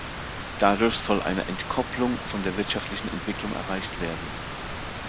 Dadurch soll eine Entkopplung von der wirtschaftlichen Entwicklung erreicht werden.